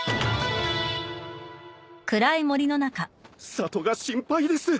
里が心配です。